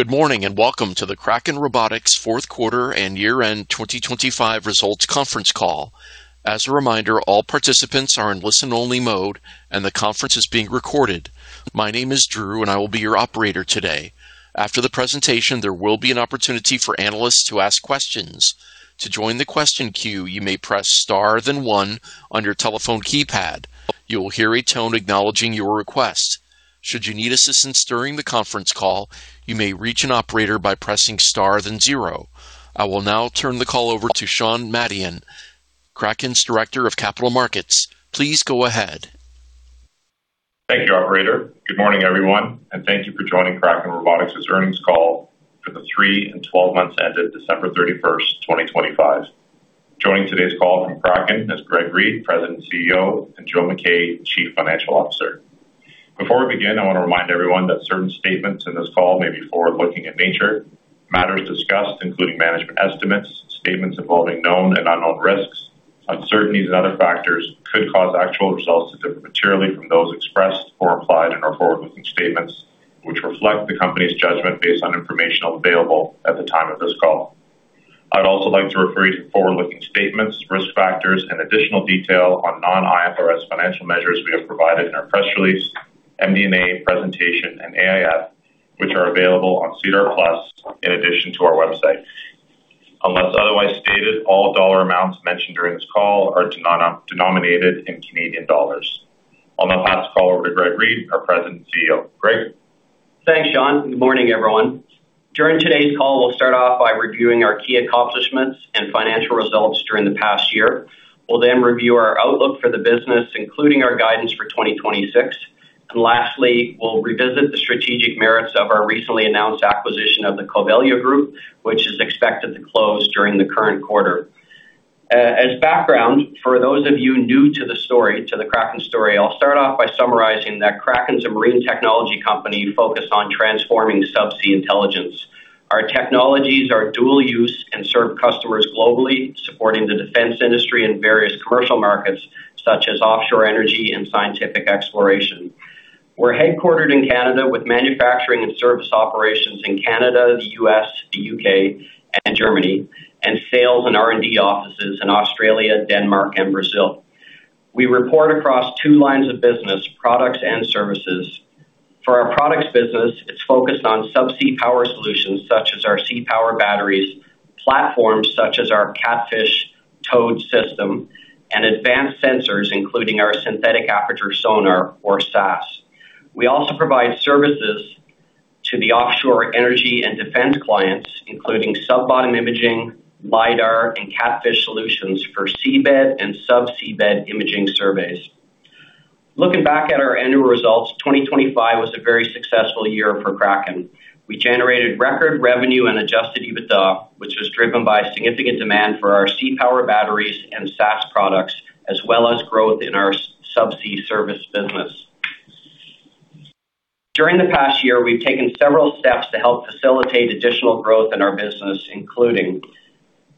Good morning, and welcome to the Kraken Robotics fourth quarter and year-end 2025 results conference call. As a reminder, all participants are in listen-only mode, and the conference is being recorded. My name is Drew, and I will be your operator today. After the presentation, there will be an opportunity for analysts to ask questions. To join the question queue, you may press star then one on your telephone keypad. You will hear a tone acknowledging your request. Should you need assistance during the conference call, you may reach an operator by pressing star then zero. I will now turn the call over to Shant Madian, Kraken's Director of Capital Markets. Please go ahead. Thank you, operator. Good morning, everyone, and thank you for joining Kraken Robotics' earnings call for the three and 12 months ended December 31st, 2025. Joining today's call from Kraken is Greg Reid, President and CEO, and Joe MacKay, Chief Financial Officer. Before we begin, I want to remind everyone that certain statements in this call may be forward-looking in nature. Matters discussed, including management estimates, statements involving known and unknown risks, uncertainties, and other factors could cause actual results to differ materially from those expressed or implied in our forward-looking statements, which reflect the company's judgment based on information available at the time of this call. I'd also like to refer you to forward-looking statements, risk factors, and additional detail on non-IFRS financial measures we have provided in our press release, MD&A presentation, and AIF, which are available on SEDAR+ in addition to our website. Unless otherwise stated, all dollar amounts mentioned during this call are denominated in Canadian dollars. I'll now pass the call over to Greg Reid, our President and CEO. Greg? Thanks, Shant. Good morning, everyone. During today's call, we'll start off by reviewing our key accomplishments and financial results during the past year. We'll then review our outlook for the business, including our guidance for 2026. Lastly, we'll revisit the strategic merits of our recently announced acquisition of the Covelya Group, which is expected to close during the current quarter. As background, for those of you new to the Kraken story, I'll start off by summarizing that Kraken's a marine technology company focused on transforming subsea intelligence. Our technologies are dual-use and serve customers globally, supporting the defense industry in various commercial markets such as offshore energy and scientific exploration. We're headquartered in Canada with manufacturing and service operations in Canada, the U.S., the U.K., and Germany, and sales and R&D offices in Australia, Denmark, and Brazil. We report across two lines of business, products, and services. For our products business, it's focused on subsea power solutions such as our SeaPower batteries, platforms such as our KATFISH towed system, and advanced sensors including our synthetic aperture sonar or SAS. We also provide services to the offshore energy and defense clients, including sub-bottom imaging, LiDAR, and KATFISH solutions for seabed and sub-seabed imaging surveys. Looking back at our annual results, 2025 was a very successful year for Kraken. We generated record revenue and adjusted EBITDA, which was driven by significant demand for our SeaPower batteries and SAS products, as well as growth in our subsea service business. During the past year, we've taken several steps to help facilitate additional growth in our business, including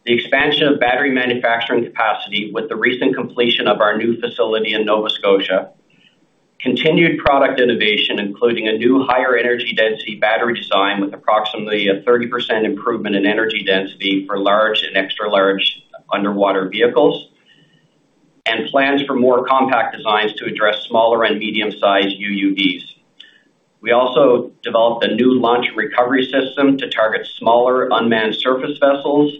the expansion of battery manufacturing capacity with the recent completion of our new facility in Nova Scotia. Continued product innovation, including a new higher energy density battery design with approximately a 30% improvement in energy density for large and extra-large underwater vehicles. Plans for more compact designs to address smaller and medium-sized UUVs. We also developed a new launch and recovery system to target smaller unmanned surface vessels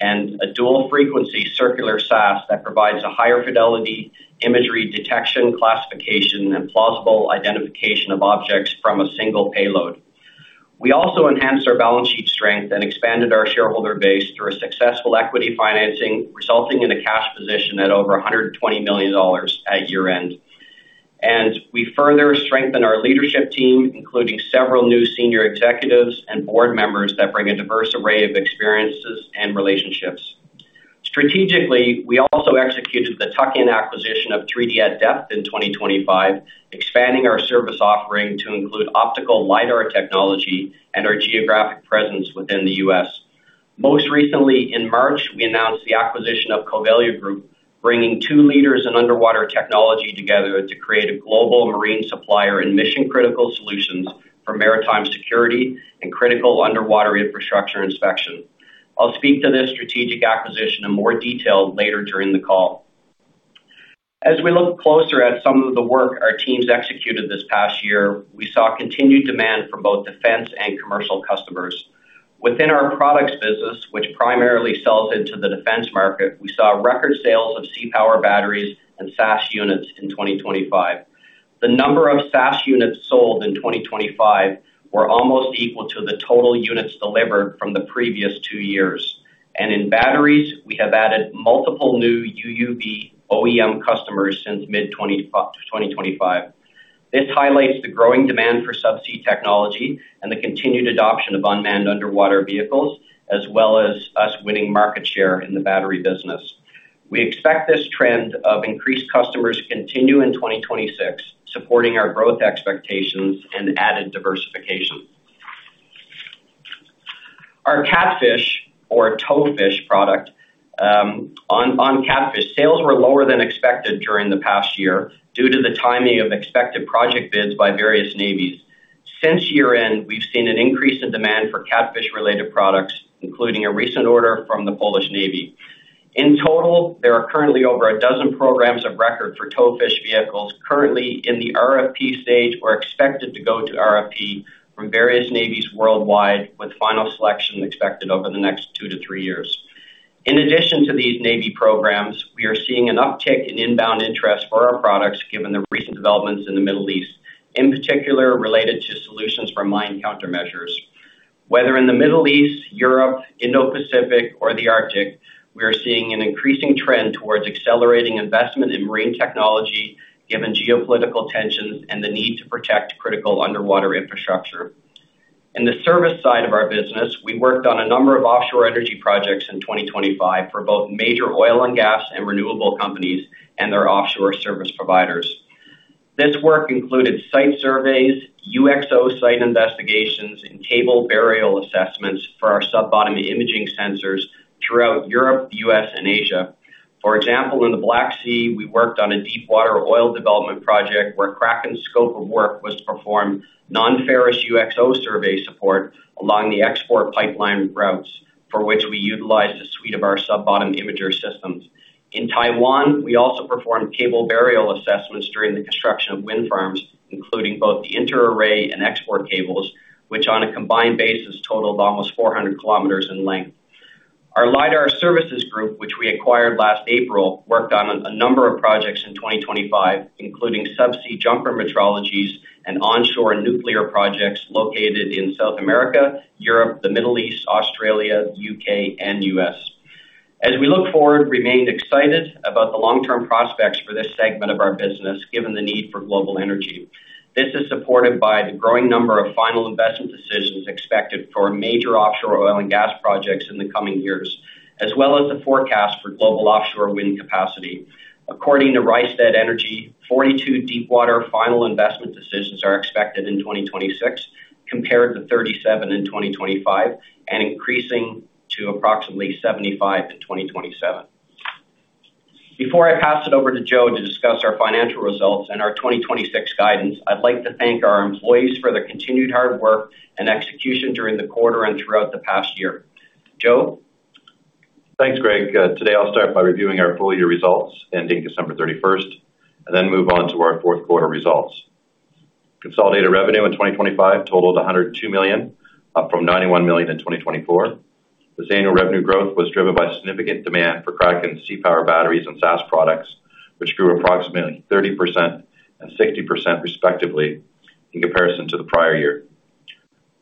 and a dual-frequency circular SAS that provides a higher fidelity imagery detection, classification, and plausible identification of objects from a single payload. We also enhanced our balance sheet strength and expanded our shareholder base through a successful equity financing, resulting in a cash position of over 120 million dollars at year-end. We further strengthened our leadership team, including several new senior executives and board members that bring a diverse array of experiences and relationships. Strategically, we also executed the tuck-in acquisition of 3D at Depth in 2025, expanding our service offering to include optical LiDAR technology and our geographic presence within the U.S. Most recently, in March, we announced the acquisition of Covelya Group, bringing two leaders in underwater technology together to create a global marine supplier in mission-critical solutions for maritime security and critical underwater infrastructure inspection. I'll speak to this strategic acquisition in more detail later during the call. As we look closer at some of the work our teams executed this past year, we saw continued demand for both defense and commercial customers. Within our products business, which primarily sells into the defense market, we saw record sales of SeaPower batteries and SAS units in 2025. The number of SAS units sold in 2025 were almost equal to the total units delivered from the previous two years. In batteries, we have added multiple new UUV OEM customers since mid-2025. This highlights the growing demand for subsea technology and the continued adoption of unmanned underwater vehicles, as well as us winning market share in the battery business. We expect this trend of increased customers to continue in 2026, supporting our growth expectations and added diversification. Our KATFISH or Towfish product. On KATFISH, sales were lower than expected during the past year due to the timing of expected project bids by various navies. Since year-end, we've seen an increase in demand for KATFISH-related products, including a recent order from the Polish Navy. In total, there are currently over a dozen programs of record for Towfish vehicles currently in the RFP stage or expected to go to RFP from various navies worldwide, with final selection expected over the next 2-3 years. In addition to these Navy programs, we are seeing an uptick in inbound interest for our products given the recent developments in the Middle East, in particular related to solutions for mine countermeasures. Whether in the Middle East, Europe, Indo-Pacific or the Arctic, we are seeing an increasing trend towards accelerating investment in marine technology given geopolitical tensions and the need to protect critical underwater infrastructure. In the service side of our business, we worked on a number of offshore energy projects in 2025 for both major oil and gas and renewable companies and their offshore service providers. This work included site surveys, UXO site investigations, and cable burial assessments for our sub-bottom imaging sensors throughout Europe, U.S. and Asia. For example, in the Black Sea, we worked on a deepwater oil development project where Kraken's scope of work was to perform non-ferrous UXO survey support along the export pipeline routes, for which we utilized a suite of our Sub-Bottom Imager systems. In Taiwan, we also performed cable burial assessments during the construction of wind farms, including both the inter-array and export cables, which on a combined basis totaled almost 400 km in length. Our LiDAR services group, which we acquired last April, worked on a number of projects in 2025, including subsea jumper metrologies and onshore nuclear projects located in South America, Europe, the Middle East, Australia, U.K. and U.S. As we look forward, we remain excited about the long-term prospects for this segment of our business, given the need for global energy. This is supported by the growing number of final investment decisions expected for major offshore oil and gas projects in the coming years, as well as the forecast for global offshore wind capacity. According to Rystad Energy, 42 deepwater final investment decisions are expected in 2026, compared to 37 in 2025, and increasing to approximately 75 in 2027. Before I pass it over to Joe to discuss our financial results and our 2026 guidance, I'd like to thank our employees for their continued hard work and execution during the quarter and throughout the past year. Joe? Thanks, Greg. Today, I'll start by reviewing our full-year results ending December 31st and then move on to our fourth quarter results. Consolidated revenue in 2025 totaled 102 million, up from 91 million in 2024. This annual revenue growth was driven by significant demand for Kraken SeaPower batteries and SAS products, which grew approximately 30% and 60%, respectively in comparison to the prior year.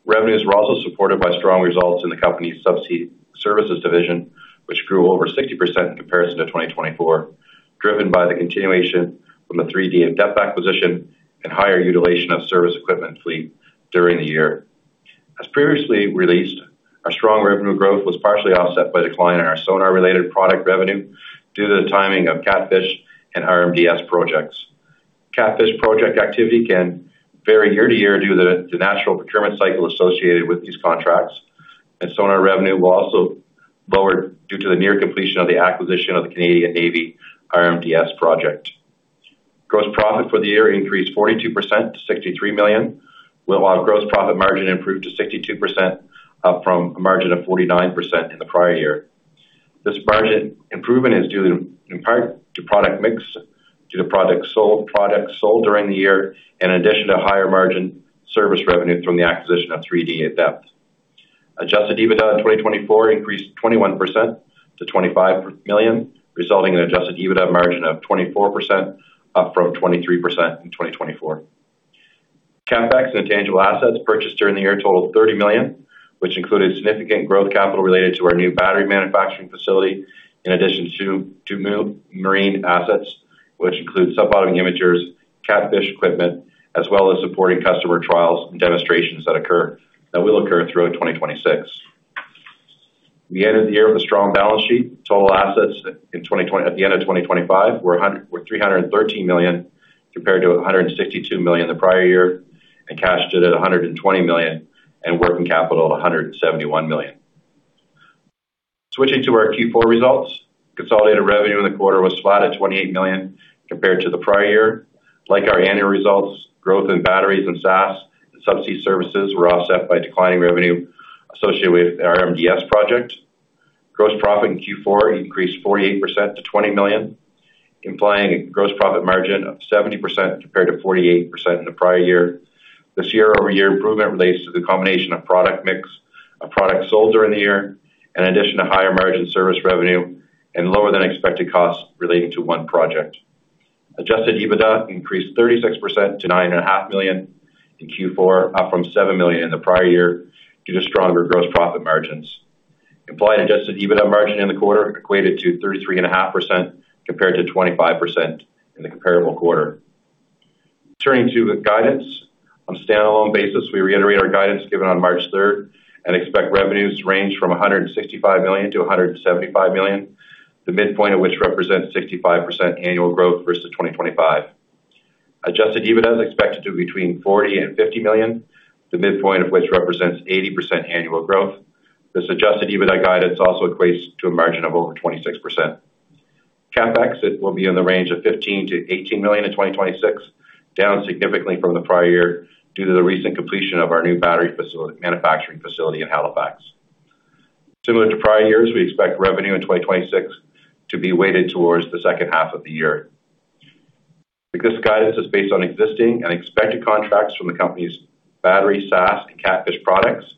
Revenues were also supported by strong results in the company's subsea services division, which grew over 60% in comparison to 2024, driven by the continuation from the 3D at Depth acquisition and higher utilization of service equipment fleet during the year. As previously released, our strong revenue growth was partially offset by decline in our sonar-related product revenue due to the timing of KATFISH and RMDS projects. KATFISH project activity can vary year to year due to the natural procurement cycle associated with these contracts, and sonar revenue was also lower due to the near completion of the acquisition of the Canadian Navy RMDS project. Gross profit for the year increased 42% to 63 million, with our gross profit margin improved to 62%, up from a margin of 49% in the prior year. This margin improvement is due in part to product mix, due to products sold during the year, in addition to higher margin service revenue from the acquisition of 3D at Depth. Adjusted EBITDA in 2024 increased 21% to 25 million, resulting in adjusted EBITDA margin of 24%, up from 23% in 2024. CapEx and intangible assets purchased during the year totaled 30 million, which included significant growth capital related to our new battery manufacturing facility, in addition to new marine assets, which include Sub-Bottom Imagers, KATFISH equipment, as well as supporting customer trials and demonstrations that will occur throughout 2026. We ended the year with a strong balance sheet. Total assets at the end of 2025 were 313 million, compared to 162 million the prior year, and cash stood at 120 million, and working capital 171 million. Switching to our Q4 results. Consolidated revenue in the quarter was flat at 28 million compared to the prior year. Like our annual results, growth in batteries and SAS and subsea services were offset by declining revenue associated with the RMDS project. Gross profit in Q4 increased 48% to 20 million, implying a gross profit margin of 70% compared to 48% in the prior year. This year-over-year improvement relates to the combination of product mix, of products sold during the year, in addition to higher margin service revenue and lower than expected costs relating to one project. Adjusted EBITDA increased 36% to 9.5 million in Q4, up from 7 million in the prior year, due to stronger gross profit margins. Implied adjusted EBITDA margin in the quarter equated to 33.5% compared to 25% in the comparable quarter. Turning to the guidance. On a standalone basis, we reiterate our guidance given on March 3rd and expect revenues to range from 165 million-175 million, the midpoint of which represents 65% annual growth versus 2025. Adjusted EBITDA is expected to between 40 million and 50 million, the midpoint of which represents 80% annual growth. This adjusted EBITDA guidance also equates to a margin of over 26%. CapEx, it will be in the range of 15 million-18 million in 2026, down significantly from the prior year due to the recent completion of our new battery manufacturing facility in Halifax. Similar to prior years, we expect revenue in 2026 to be weighted towards the second half of the year. Because guidance is based on existing and expected contracts from the company's battery, SAS, and KATFISH products,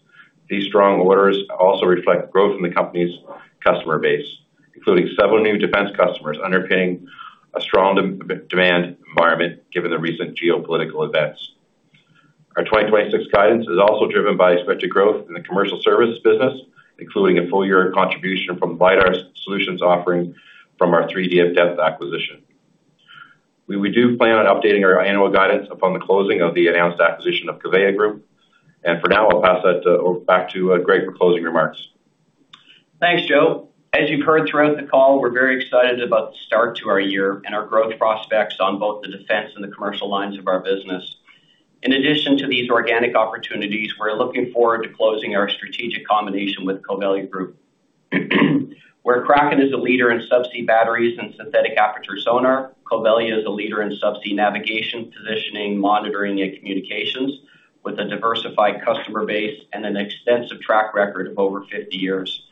these strong orders also reflect growth in the company's customer base, including several new defense customers underpinning a strong demand environment, given the recent geopolitical events. Our 2026 guidance is also driven by expected growth in the commercial service business, including a full-year contribution from the LiDAR Solutions offering from our 3D at Depth acquisition. We do plan on updating our annual guidance upon the closing of the announced acquisition of Covelya Group. For now, I'll pass that back to Greg for closing remarks. Thanks, Joe. As you've heard throughout the call, we're very excited about the start to our year and our growth prospects on both the defense and the commercial lines of our business. In addition to these organic opportunities, we're looking forward to closing our strategic combination with Covelya Group. Where Kraken is a leader in subsea batteries and synthetic aperture sonar, Covelya is a leader in subsea navigation, positioning, monitoring, and communications with a diversified customer base and an extensive track record of over 50 years.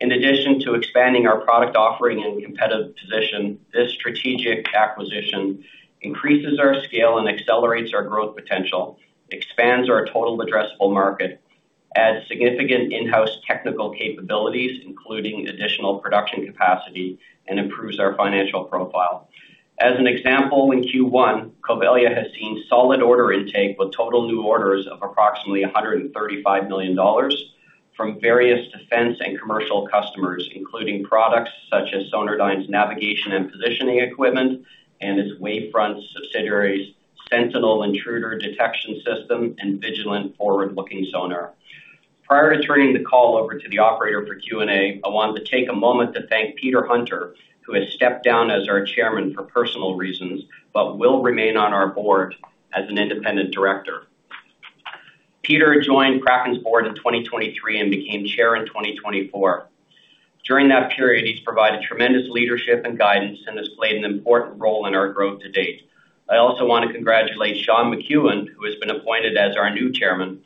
In addition to expanding our product offering and competitive position, this strategic acquisition increases our scale and accelerates our growth potential, expands our total addressable market, adds significant in-house technical capabilities, including additional production capacity, and improves our financial profile. As an example, in Q1, Covelya has seen solid order intake with total new orders of approximately 135 million dollars from various defense and commercial customers, including products such as Sonardyne's navigation and positioning equipment and its Wavefront subsidiary's Sentinel Intruder Detection system and Vigilant Forward Look Sonar. Prior to turning the call over to the operator for Q&A, I wanted to take a moment to thank Peter Hunter, who has stepped down as our Chairman for personal reasons, but will remain on our board as an independent director. Peter joined Kraken's board in 2023 and became Chair in 2024. During that period, he's provided tremendous leadership and guidance and has played an important role in our growth to date. I also want to congratulate Shaun McEwan, who has been appointed as our new Chairman.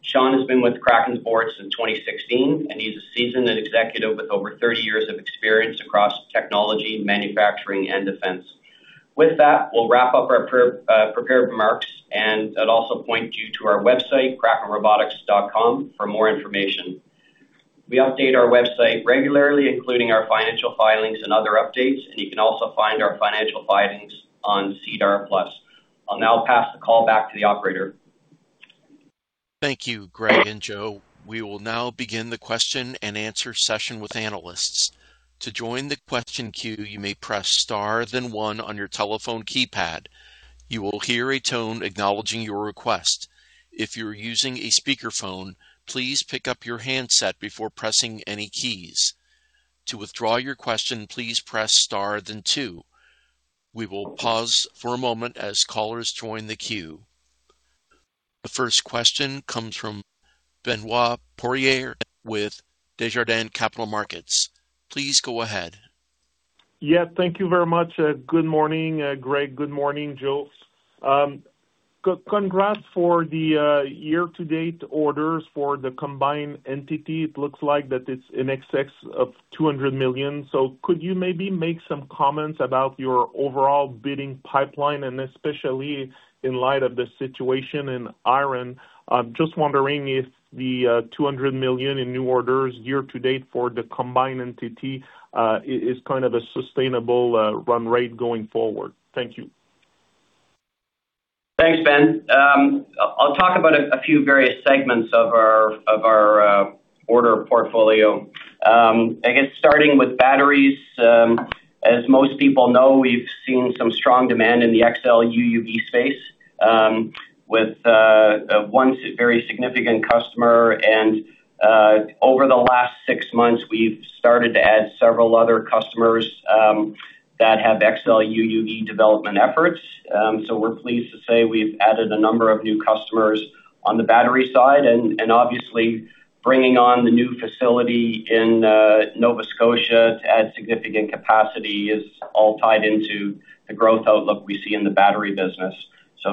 Shaun has been with Kraken's board since 2016, and he's a seasoned executive with over 30 years of experience across technology, manufacturing, and defense. With that, we'll wrap up our prepared remarks, and I'd also point you to our website, krakenrobotics.com, for more information. We update our website regularly, including our financial filings and other updates, and you can also find our financial filings on SEDAR+. I'll now pass the call back to the operator. Thank you, Greg and Joe. We will now begin the question and answer session with analysts. To join the question queue, you may press star then one on your telephone keypad. You will hear a tone acknowledging your request. If you're using a speakerphone, please pick up your handset before pressing any keys. To withdraw your question, please press star then two. We will pause for a moment as callers join the queue. The first question comes from Benoit Poirier with Desjardins Capital Markets. Please go ahead. Yeah, thank you very much. Good morning, Greg. Good morning, Joe. Congrats for the year-to-date orders for the combined entity. It looks like that it's in excess of 200 million. Could you maybe make some comments about your overall bidding pipeline, and especially in light of the situation in Iran? I'm just wondering if the 200 million in new orders year-to-date for the combined entity is kind of a sustainable run rate going forward. Thank you. Thanks, Ben. I'll talk about a few various segments of our order portfolio. I guess starting with batteries, as most people know, we've seen some strong demand in the XL UUV space with one very significant customer, and over the last six months, we've started to add several other customers that have XL UUV development efforts. We're pleased to say we've added a number of new customers on the battery side, and obviously bringing on the new facility in Nova Scotia to add significant capacity is all tied into the growth outlook we see in the battery business.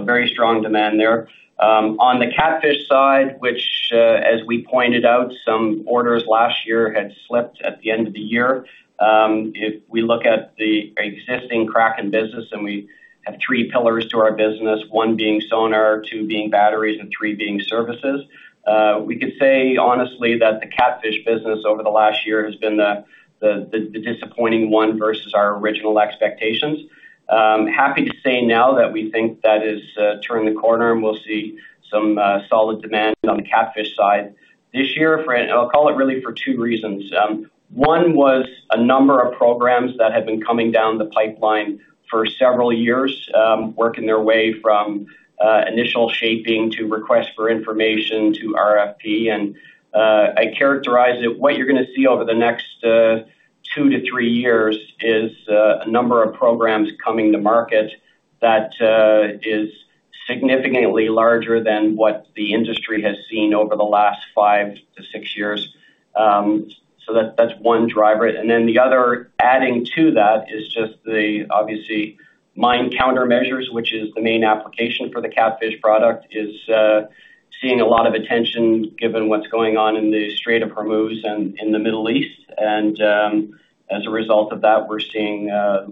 Very strong demand there. On the KATFISH side, which, as we pointed out, some orders last year had slipped at the end of the year. If we look at the existing Kraken business, and we have three pillars to our business, one being sonar, two being batteries, and three being services, we could say honestly that the KATFISH business over the last year has been the disappointing one versus our original expectations. I'm happy to say now that we think that is turning the corner, and we'll see some solid demand on the KATFISH side. This year, I'll call it really for two reasons. One was a number of programs that had been coming down the pipeline for several years, working their way from initial shaping to request for information to RFP. I characterize it, what you're going to see over the next 2-3 years is a number of programs coming to market that is significantly larger than what the industry has seen over the last 5-6 years. That's one driver. The other, adding to that is just the, obviously, mine countermeasures, which is the main application for the KATFISH product, is seeing a lot of attention given what's going on in the Strait of Hormuz and in the Middle East. As a result of that, we're seeing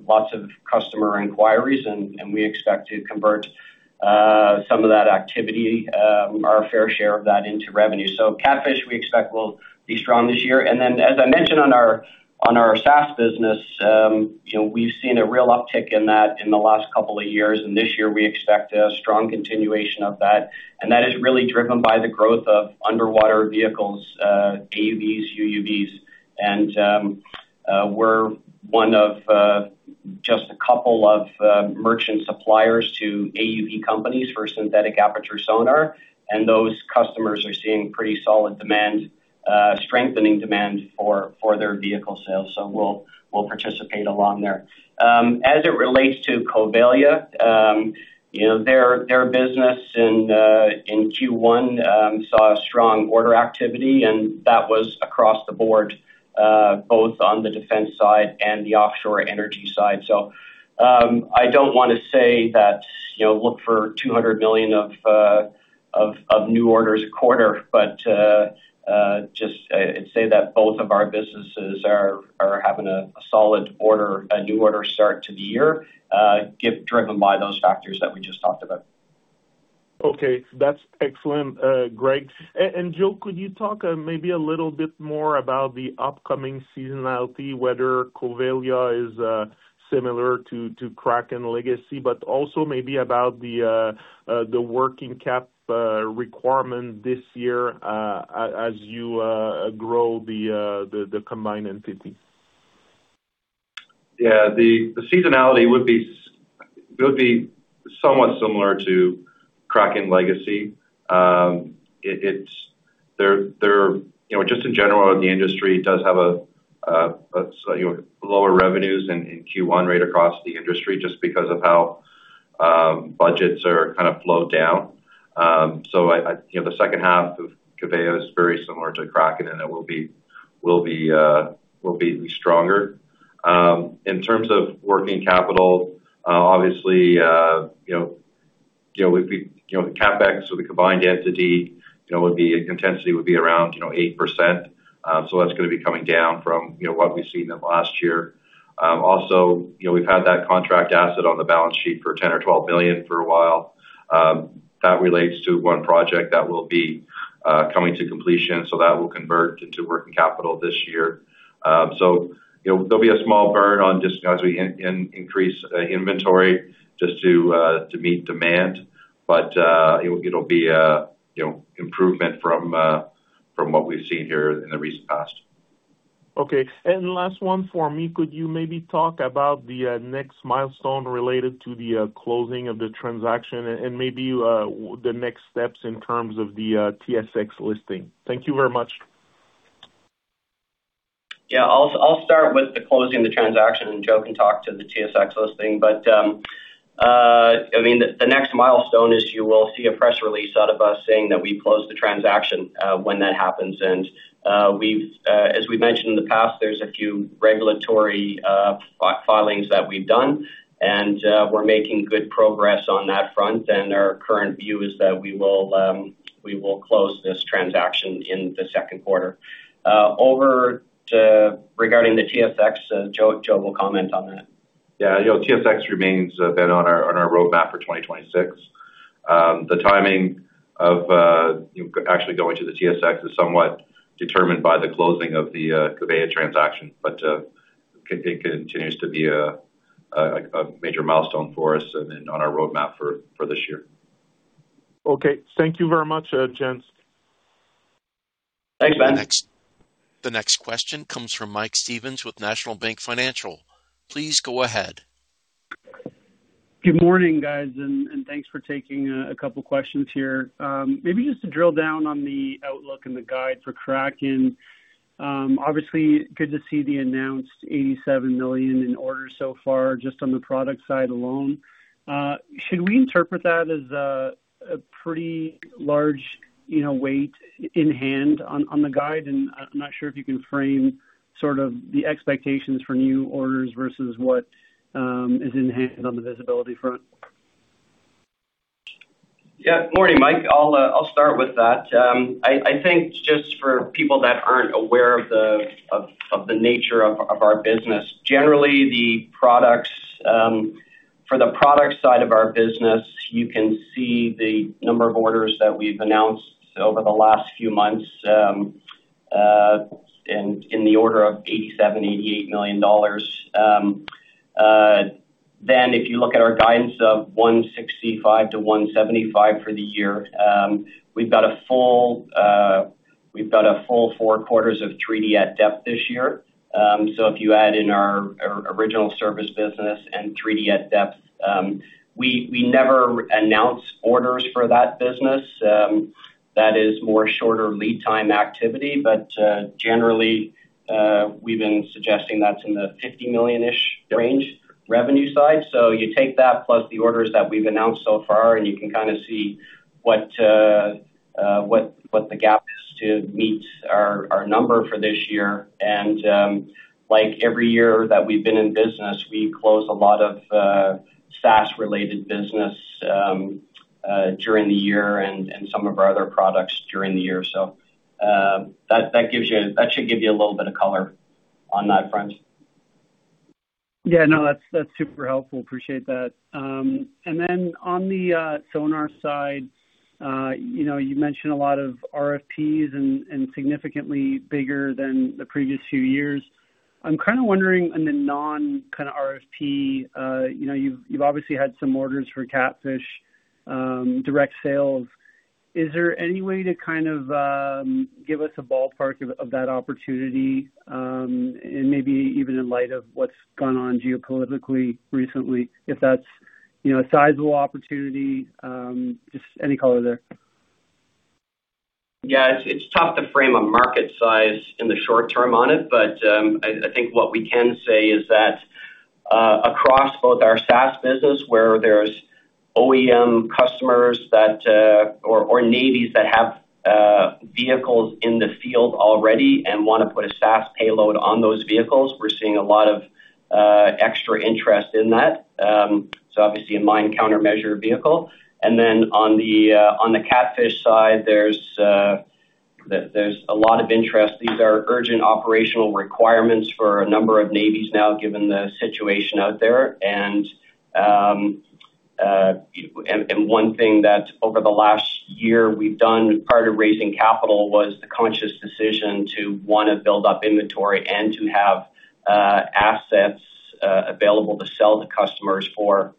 lots of customer inquiries, and we expect to convert some of that activity, our fair share of that, into revenue. KATFISH, we expect, will be strong this year. As I mentioned on our SAS business, we've seen a real uptick in that in the last couple of years. This year we expect a strong continuation of that. That is really driven by the growth of underwater vehicles, AUVs, UUVs. We're one of just a couple of merchant suppliers to AUV companies for synthetic aperture sonar, and those customers are seeing pretty solid demand, strengthening demand for their vehicle sales. We'll participate along there. As it relates to Covelya, their business in Q1 saw a strong order activity, and that was across the board, both on the defense side and the offshore energy side. I don't want to say look for 200 million of new orders a quarter, but just say that both of our businesses are having a solid new order start to the year, driven by those factors that we just talked about. Okay. That's excellent, Greg. And Joe, could you talk maybe a little bit more about the upcoming seasonality, whether Covelya is similar to Kraken Legacy, but also maybe about the working cap requirement this year as you grow the combined entity? Yeah. The seasonality would be somewhat similar to Kraken Legacy. Just in general, the industry does have lower revenues in Q1 right across the industry just because of how budgets are kind of flowed down. The second half of Covelya is very similar to Kraken, and it will be stronger. In terms of working capital, obviously, the CapEx of the combined entity intensity would be around 8%. That's going to be coming down from what we've seen in the last year. Also, we've had that contract asset on the balance sheet for 10 million or 12 million for a while. That relates to one project that will be coming to completion, so that will convert into working capital this year. There'll be a small burn on just as we increase inventory just to meet demand. It'll be improvement from what we've seen here in the recent past. Okay. Last one for me, could you maybe talk about the next milestone related to the closing of the transaction, and maybe the next steps in terms of the TSX listing? Thank you very much. Yeah. I'll start with closing the transaction, and Joe can talk to the TSX listing. The next milestone is you will see a press release out of us saying that we closed the transaction when that happens. As we've mentioned in the past, there's a few regulatory filings that we've done, and we're making good progress on that front. Our current view is that we will close this transaction in the second quarter. Regarding the TSX, Joe will comment on that. Yeah. TSX remains then on our roadmap for 2026. The timing of actually going to the TSX is somewhat determined by the closing of the Covelya transaction. It continues to be a major milestone for us and on our roadmap for this year. Okay. Thank you very much, gents. Thanks. The next question comes from Mike Stevens with National Bank Financial. Please go ahead. Good morning, guys, and thanks for taking a couple questions here. Maybe just to drill down on the outlook and the guide for Kraken. Obviously, good to see the announced 87 million in orders so far just on the product side alone. Should we interpret that as a pretty large weight in hand on the guide? I'm not sure if you can frame sort of the expectations for new orders versus what is enhanced on the visibility front. Yeah. Morning, Mike. I'll start with that. I think just for people that aren't aware of the nature of our business. Generally, for the product side of our business, you can see the number of orders that we've announced over the last few months in the order of 87 million-88 million dollars. If you look at our guidance of 165 million-175 million for the year, we've got a full four quarters of 3D at Depth this year. If you add in our original service business and 3D at Depth, we never announce orders for that business. That is shorter lead time activity, but generally, we've been suggesting that's in the 50 million-ish range revenue side. You take that plus the orders that we've announced so far, and you can kind of see what the gap is to meet our number for this year. Like every year that we've been in business, we close a lot of SAS-related business during the year, and some of our other products during the year. That should give you a little bit of color on that front. Yeah, no, that's super helpful. Appreciate that. Then on the sonar side, you mentioned a lot of RFPs and significantly bigger than the previous few years. I'm kind of wondering on the non-RFP, you've obviously had some orders for KATFISH direct sales. Is there any way to kind of give us a ballpark of that opportunity? Maybe even in light of what's gone on geopolitically recently, if that's a sizable opportunity, just any color there. Yeah. It's tough to frame a market size in the short term on it. I think what we can say is that across both our SAS business, where there's OEM customers or navies that have vehicles in the field already and want to put a SAS payload on those vehicles, we're seeing a lot of extra interest in that. Obviously, a mine countermeasure vehicle. On the KATFISH side, there's a lot of interest. These are urgent operational requirements for a number of navies now, given the situation out there. One thing that over the last year we've done as part of raising capital was the conscious decision to want to build up inventory and to have assets available to sell to customers for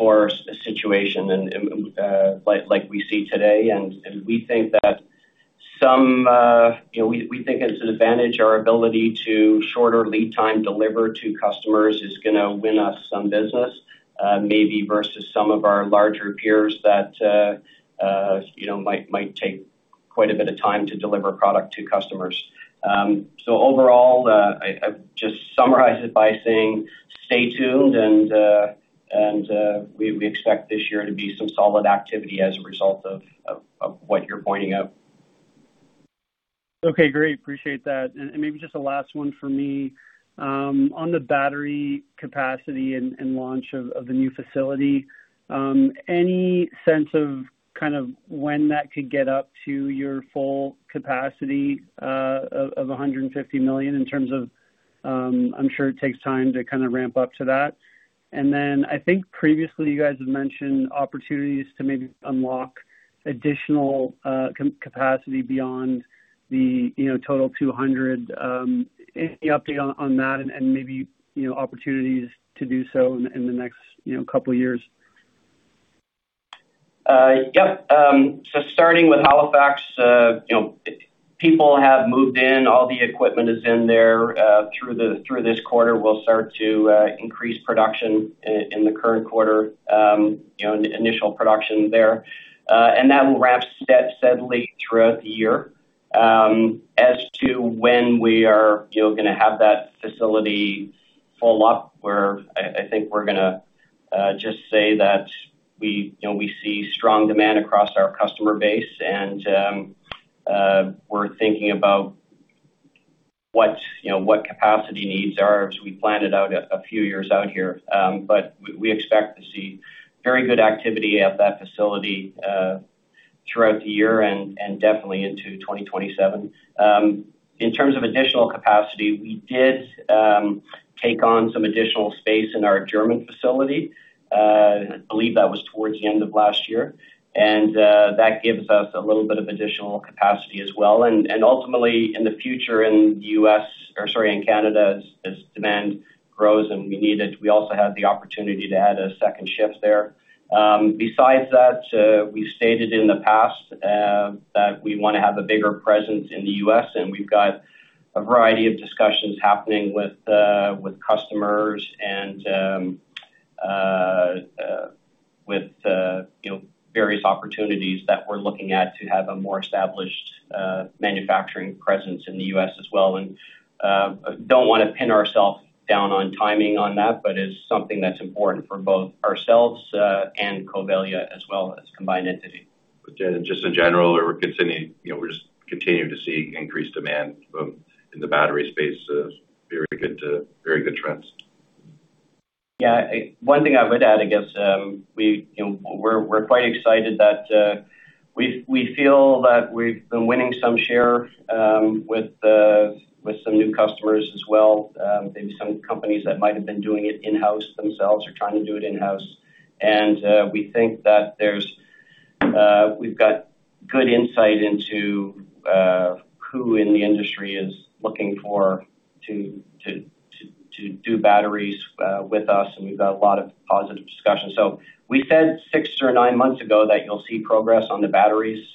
a situation like we see today. We think it's an advantage, our ability to shorter lead time deliver to customers is going to win us some business, maybe versus some of our larger peers that might take quite a bit of time to deliver product to customers. Overall, I'd just summarize it by saying stay tuned, and we expect this year to be some solid activity as a result of what you're pointing out. Okay, great. Appreciate that. Maybe just the last one for me. On the battery capacity and launch of the new facility, any sense of kind of when that could get up to your full capacity of 150 million in terms of, I'm sure it takes time to kind of ramp up to that. Then I think previously you guys had mentioned opportunities to maybe unlock additional capacity beyond the total 200 million. Any update on that and maybe opportunities to do so in the next couple of years? Yep. Starting with Halifax, people have moved in, all the equipment is in there. Through this quarter, we'll start to increase production in the current quarter, initial production there. That will ramp steadily throughout the year. As to when we are going to have that facility full up, I think we're going to just say that we see strong demand across our customer base and we're thinking about what capacity needs are as we plan it out a few years out here. We expect to see very good activity at that facility throughout the year and definitely into 2027. In terms of additional capacity, we did take on some additional space in our German facility. I believe that was towards the end of last year. That gives us a little bit of additional capacity as well. Ultimately, in the future, in Canada, as demand grows and we need it, we also have the opportunity to add a second shift there. Besides that, we've stated in the past that we want to have a bigger presence in the U.S. and we've got a variety of discussions happening with customers and with various opportunities that we're looking at to have a more established manufacturing presence in the U.S. as well. Don't want to pin ourselves down on timing on that, but it's something that's important for both ourselves and Covelya as well as a combined entity. Just in general, we're continuing to see increased demand in the battery space. Very good trends. Yeah. One thing I would add, I guess, we're quite excited that we feel that we've been winning some share with some new customers as well, maybe some companies that might have been doing it in-house themselves or trying to do it in-house. We think that we've got good insight into who in the industry is looking to do batteries with us, and we've got a lot of positive discussions. We said six or nine months ago that you'll see progress on the batteries,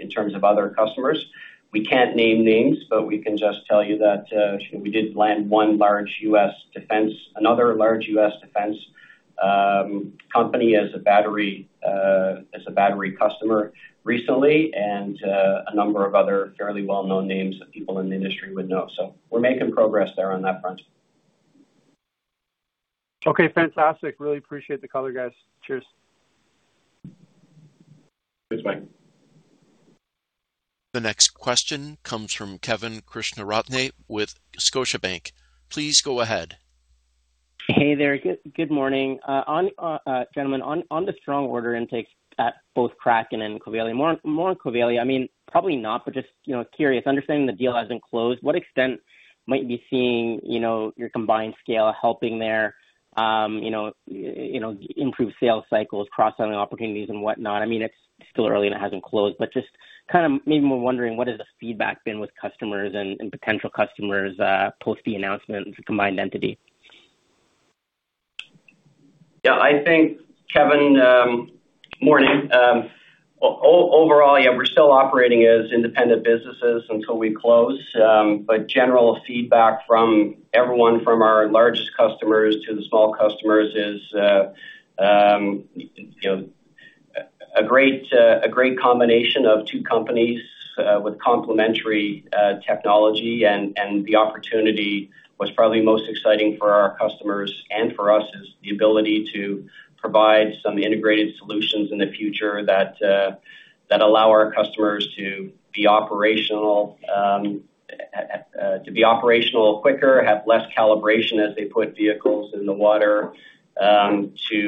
in terms of other customers. We can't name names, but we can just tell you that we did land another large U.S. defense company as a battery customer recently, and a number of other fairly well-known names that people in the industry would know. We're making progress there on that front. Okay, fantastic. Really appreciate the color, guys. Cheers. Cheers, Mike. The next question comes from Kevin Krishnaratne with Scotiabank. Please go ahead. Hey there. Good morning. Gentlemen, on the strong order intakes at both Kraken and Covelya. More on Covelya, probably not, but just curious, understanding the deal has been closed, what extent might you be seeing your combined scale helping there, improve sales cycles, cross-selling opportunities and whatnot? It's still early and it hasn't closed, but just kind of made me wondering, what has the feedback been with customers and potential customers, post the announcement of the combined entity? Yeah, I think, Kevin, good morning. Overall, we're still operating as independent businesses until we close. General feedback from everyone, from our largest customers to the small customers is, a great combination of two companies, with complementary technology. The opportunity was probably most exciting for our customers and for us, is the ability to provide some integrated solutions in the future that allow our customers to be operational quicker, have less calibration as they put vehicles in the water, to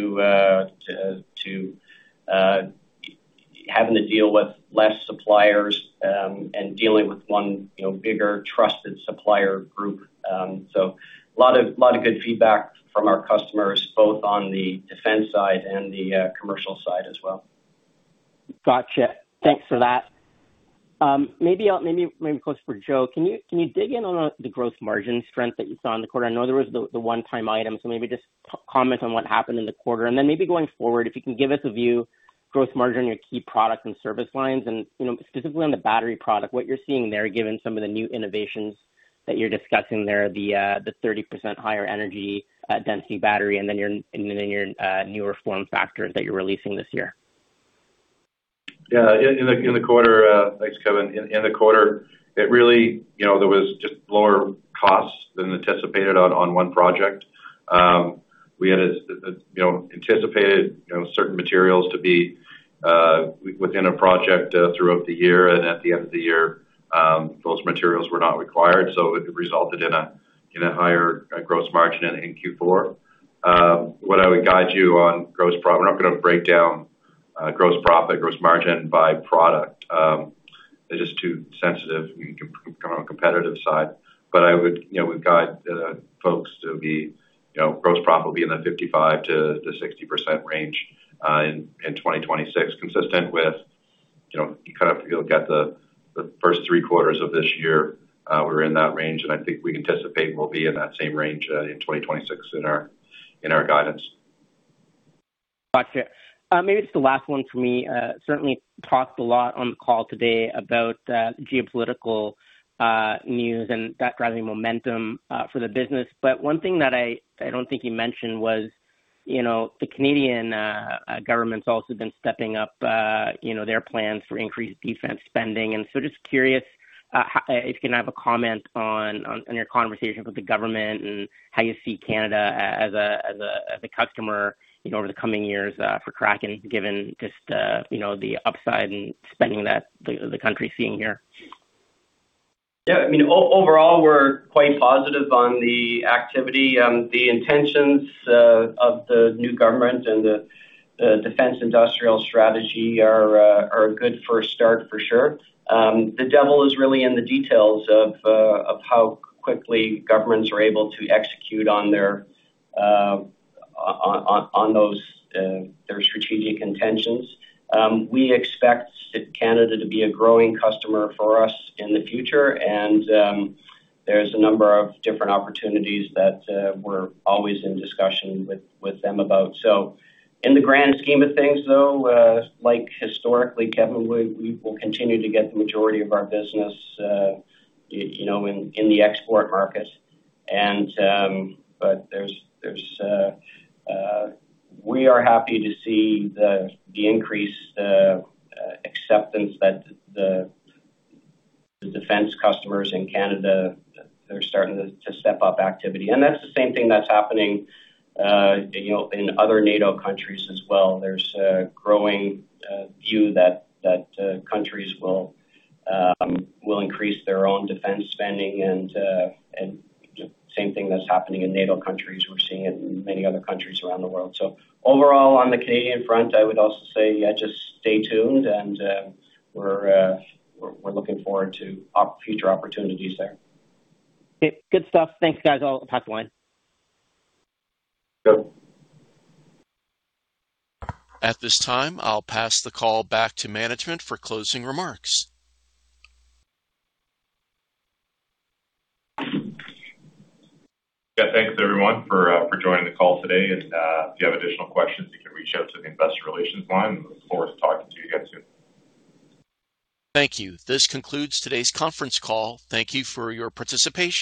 having to deal with less suppliers, and dealing with one bigger trusted supplier group. A lot of good feedback from our customers, both on the defense side and the commercial side as well. Got you. Thanks for that. Maybe a question for Joe. Can you dig in on the gross margin strength that you saw in the quarter? I know there was the one-time item, so maybe just comment on what happened in the quarter, and then maybe going forward, if you can give us a view, gross margin on your key products and service lines and specifically on the battery product, what you're seeing there, given some of the new innovations that you're discussing there, the 30% higher energy density battery, and then your newer form factors that you're releasing this year. Yeah. Thanks, Kevin. In the quarter, there was just lower costs than anticipated on one project. We had anticipated certain materials to be within a project throughout the year, and at the end of the year, those materials were not required, so it resulted in a higher gross margin in Q4. What I would guide you on gross profit, I'm not going to break down gross profit, gross margin by product. They're just too sensitive from a competitive side. But I would guide folks to be gross profit will be in the 55%-60% range, in 2026, consistent with, you kind of look at the first three quarters of this year, we were in that range, and I think we anticipate we'll be in that same range in 2026 in our guidance. Got you. Maybe it's the last one for me. Certainly talked a lot on the call today about geopolitical news and that driving momentum for the business. One thing that I don't think you mentioned was the Canadian government's also been stepping up their plans for increased defense spending, and so just curious, if you can have a comment on your conversation with the government and how you see Canada as a customer over the coming years for Kraken, given just the upside in spending that the country's seeing here. Yeah. Overall, we're quite positive on the activity. The intentions of the new government and the defense industrial strategy are a good first start for sure. The devil is really in the details of how quickly governments are able to execute on their strategic intentions. We expect Canada to be a growing customer for us in the future, and there's a number of different opportunities that we're always in discussion with them about. In the grand scheme of things, though, like historically, Kevin, we will continue to get the majority of our business in the export market. We are happy to see the increased acceptance that the defense customers in Canada, they're starting to step up activity. That's the same thing that's happening in other NATO countries as well. There's a growing view that countries will increase their own defense spending, and the same thing that's happening in NATO countries, we're seeing it in many other countries around the world. Overall, on the Canadian front, I would also say yeah, just stay tuned, and we're looking forward to future opportunities there. Okay. Good stuff. Thanks, guys. I'll pass the line. Sure. At this time, I'll pass the call back to management for closing remarks. Yeah. Thanks everyone for joining the call today. If you have additional questions, you can reach out to the investor relations line. Look forward to talking to you again soon. Thank you. This concludes today's conference call. Thank you for your participation.